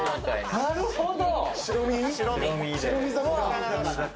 なるほど。